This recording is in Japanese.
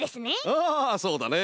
ああそうだね！